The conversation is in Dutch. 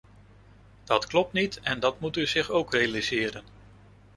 Dat klopt niet en dat moet u zich ook realiseren.